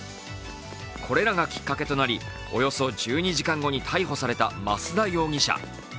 これらがきっかけとなり、およそ１２時間後に逮捕された増田容疑者。